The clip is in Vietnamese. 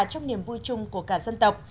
trong niềm vui chung của cả dân tộc